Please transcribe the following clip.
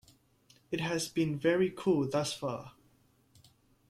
It has been very cool thus far.